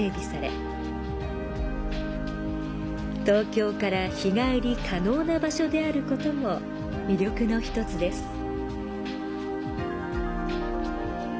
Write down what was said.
東京から日帰り可能な場所であることも魅力の１つです。